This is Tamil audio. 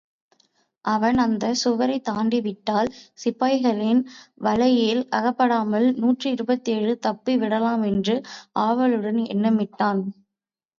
அவன் அந்தச் சுவரைத் தாண்டிவிட்டால், சிப்பாய்களின் வலையில் அகப்படாமல் நூற்றி இருபத்தேழு தப்பி விடலாமென்று ஆவலுடன் எண்ணமிட்டான்.